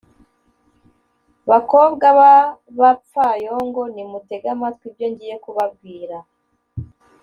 Bakobwa b’abapfayongo, nimutege amatwi ibyo ngiye kubabwira!